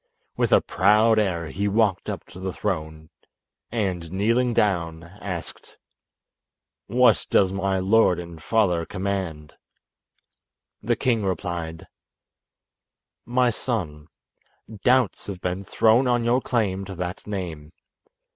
With a proud air he walked up to the throne, and kneeling down, asked: "What does my lord and father command?" The king replied: "My son, doubts have been thrown on your claim to that name.